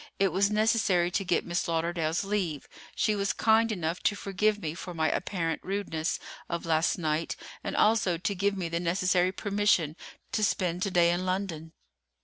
It was necessary to get Miss Lauderdale's leave. She was kind enough to forgive me for my apparent rudeness of last night, and also to give me the necessary permission to spend to day in London."